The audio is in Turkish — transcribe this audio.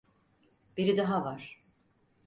Biri daha var.